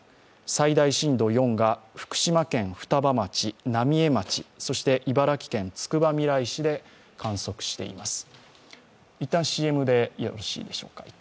最大震度４が福島県双葉町、浪江町、そして茨城県つくばみらい市で観測しています。